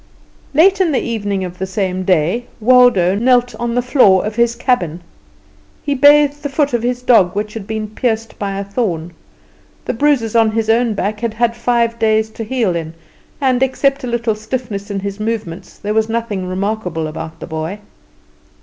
Late in the evening of the same day Waldo knelt on the floor of his cabin. He bathed the foot of his dog which had been pierced by a thorn. The bruises on his own back had had five days to heal in, and, except a little stiffness in his movements, there was nothing remarkable about the boy.